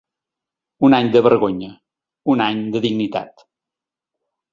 Un any de vergonya, un any de dignitat.